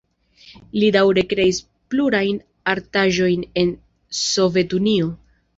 Li daŭre kreis plurajn artaĵojn en Sovetunio.